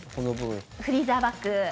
フリーザーバッグ。